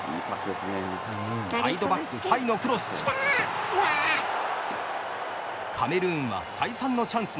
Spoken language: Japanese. サイドバック、ファイのクロス。